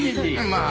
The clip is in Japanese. まあ。